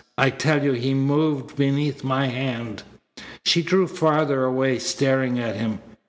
I tell you he moved beneath my hand." She drew farther away, staring at him.